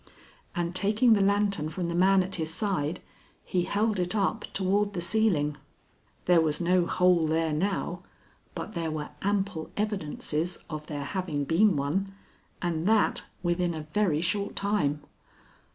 And taking the lantern from the man at his side, he held it up toward the ceiling. There was no hole there now, but there were ample evidences of there having been one, and that within a very short time.